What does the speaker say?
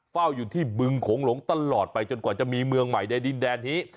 เฝ้าอยู่ที่บึงโขงหลงตลอดไปจนกว่าจะมีเมืองใหม่ในดินแดนนี้